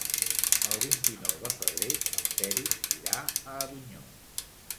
El vint-i-nou de febrer en Peris irà a Avinyó.